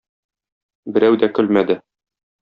Берәү дә көлмәде.